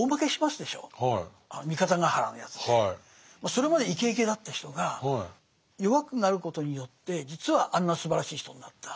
それまでイケイケだった人が弱くなることによって実はあんなすばらしい人になった。